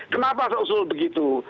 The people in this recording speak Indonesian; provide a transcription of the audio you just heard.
kenapa saya usul begitu